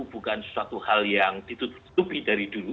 bukan sesuatu hal yang ditutupi dari dulu